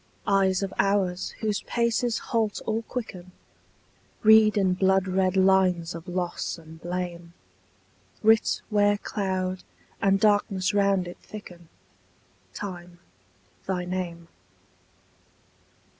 Eyes of hours whose paces halt or quicken Read in bloodred lines of loss and blame, Writ where cloud and darkness round it thicken, Time, thy name.